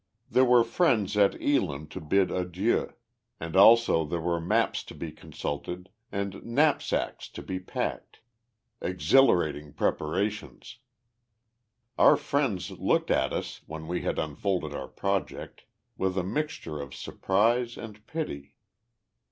There were friends at Elim to bid adieu, and also there were maps to be consulted, and knapsacks to be packed exhilarating preparations. Our friends looked at us, when we had unfolded our project, with a mixture of surprise and pity.